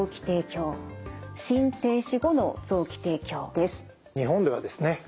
まずは日本ではですね